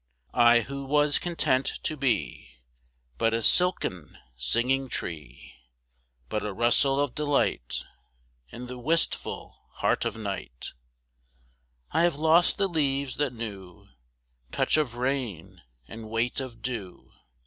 I who was content to beBut a silken singing tree, But a rustle of delightIn the wistful heart of night,I have lost the leaves that knewTouch of rain and weight of dew.